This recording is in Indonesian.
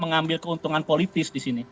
mengambil keuntungan politis di sini